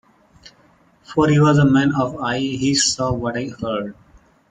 For he was a man of eyes - he saw what I heard.